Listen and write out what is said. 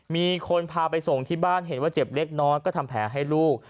มีคนพาไปส่งที่บ้านเห็นว่าเจ็บเล็กน้อยก็ทำแผลให้ลูก